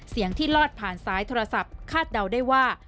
เสียงที่ลอดผ่านซ้ายโทรศัพท์คาดเดาได้ว่า